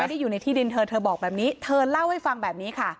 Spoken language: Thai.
ไม่ได้อยู่ในที่ดินเธอเธอบอกแบบนี้เธอเล่าให้ฟังแบบนี้ค่ะ